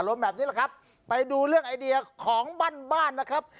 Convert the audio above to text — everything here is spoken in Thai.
แบบนี้แหละครับไปดูเรื่องไอเดียของบ้านบ้านนะครับ